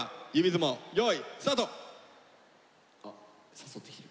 誘ってきてる。